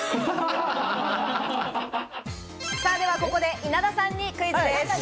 ではここで稲田さんにクイズです。